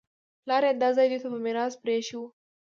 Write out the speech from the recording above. پلار یې دا ځای دوی ته په میراث پرېښی و